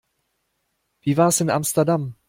Wie war's in Amsterdam?